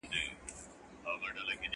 بې تعلیمه بدلون ورو وي.